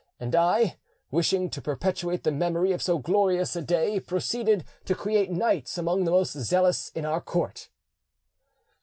And I, wishing to perpetuate the memory of so glorious a day, proceeded to create knights among the most zealous in our court."